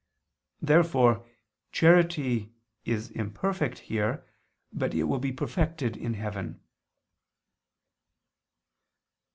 Therefore charity is imperfect here, but will be perfected in heaven.